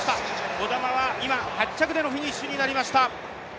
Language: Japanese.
児玉は今、８着でのフィニッシュとなりました。